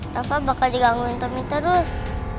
rafa bakal digangguin temi terus